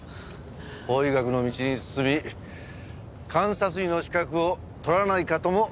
法医学の道に進み監察医の資格をとらないかとも勧めた。